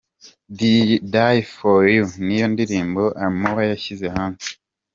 Die For You” ni yo ndirimbo Amore yashyize hanze.